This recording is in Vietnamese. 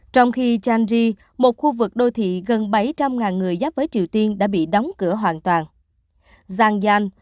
trong khi changi một khu vực đô thị gần bảy trăm linh người giáp với triều tiên đã bị đóng cửa hoàn toàn giang